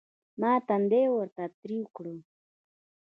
ما تندى ورته تريو کړ.